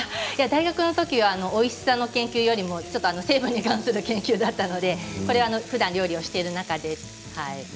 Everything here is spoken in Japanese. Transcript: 大学のときにはおいしさの研究よりも成分に関する研究だったのでこれはふだん料理をしている中で。